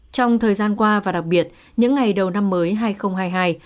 trong thời gian qua và đặc biệt những ngày đầu năm mới hai nghìn hai mươi hai